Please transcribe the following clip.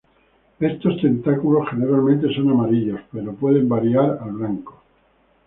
Estos tentáculos generalmente son amarillos, pero pueden variar al blanco.